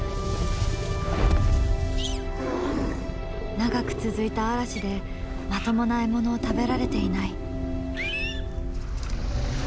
長く続いた嵐でまともな獲物を食べられていない。